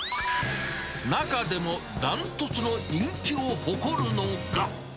中でも断トツの人気を誇るのが。